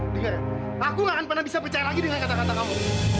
dengar aku gak akan pernah bisa percaya lagi dengan kata kata kamu